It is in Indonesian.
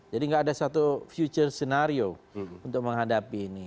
jadi tidak ada satu future scenario untuk menghadapi ini